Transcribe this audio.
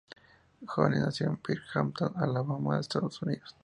Jones nació en Birmingham, Alabama, Estados Unidos.